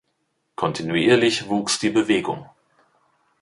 Kontinuierlich wuchs die Bewegung.